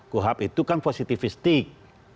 kuhab itu kan positifistik